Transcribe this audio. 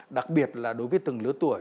đặc biệt là đối với từng lứa tuổi